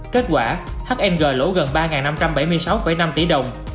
kết quả hm lỗ gần ba năm trăm bảy mươi sáu năm tỷ đồng